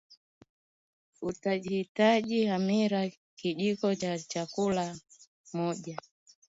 Utahitaji hamira Kijiko cha chakula moja